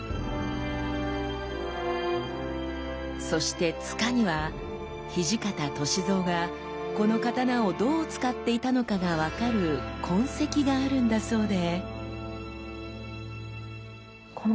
そして柄には土方歳三がこの刀をどう使っていたのかが分かる痕跡があるんだそうで。